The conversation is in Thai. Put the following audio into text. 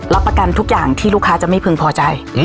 รับประกันทุกอย่างที่ลูกค้าจะไม่พึงพอใจ